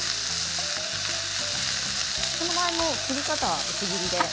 その辺り、切り方は薄切りで？